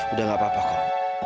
udah gak apa apa kok